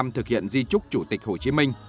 thực hiện di trúc chủ tịch hồ chí minh